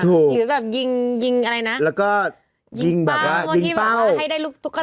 ถูกหรือแบบยิงอะไรนะแล้วก็ยิงเป้าวันที่บอกว่าให้ได้ลูกตุ๊กตา